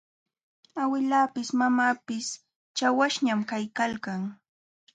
Awillapis mamapis chawaśhñam kaykalkan.